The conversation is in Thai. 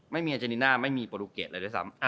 ไม่มีอาเจนิน่าไม่มีโปรตูเกตเลยด้วยซ้ำ